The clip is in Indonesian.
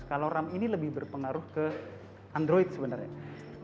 kalau ram ini lebih berpengaruh ke android sebenarnya